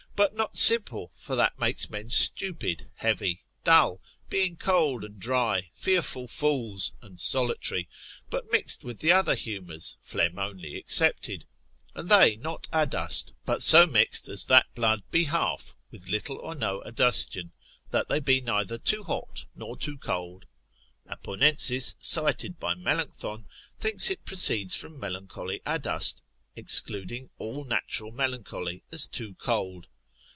but not simple, for that makes men stupid, heavy, dull, being cold and dry, fearful, fools, and solitary, but mixed with the other humours, phlegm only excepted; and they not adust, but so mixed as that blood he half, with little or no adustion, that they be neither too hot nor too cold. Aponensis, cited by Melancthon, thinks it proceeds from melancholy adust, excluding all natural melancholy as too cold.